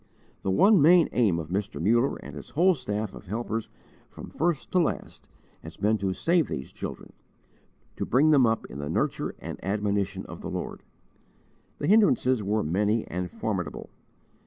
The one main aim of Mr. Muller and his whole staff of helpers, from first to last, has been to save these children to bring them up in the nurture and admonition of the Lord. The hindrances were many and formidable.